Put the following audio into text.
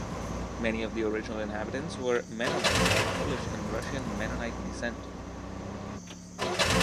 Many of the original inhabitants were Mennonites of Polish and Russian Mennonite descent.